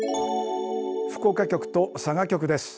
福岡局と佐賀局です。